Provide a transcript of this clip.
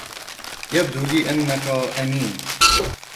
يبدو لي أنكَ أمين.